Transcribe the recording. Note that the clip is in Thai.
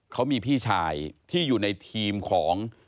เขามีพี่ชายที่อยู่ในทีมของ